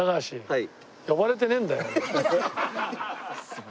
はい。